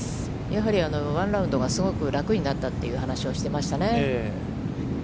やはりワンラウンドが少し楽になったという話をしていましたね。